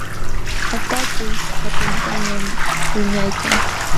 Ataku hatuntañam wiñaykan.